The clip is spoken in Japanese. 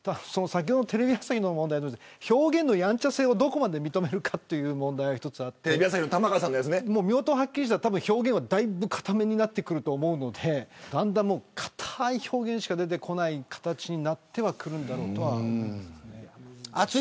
先ほど、テレビ朝日の問題でもあったように表現のやんちゃ性をどこまで認めるかという問題があって表現はだいぶ固めになってくると思うのでだんだん固い表現しか出てこない形になってはくるんだろうと思います。